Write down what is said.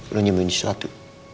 lo nyembunyi sesuatu